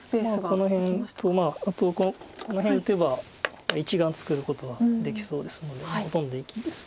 この辺とあとこの辺打てば１眼作ることはできそうですのでほとんど生きです。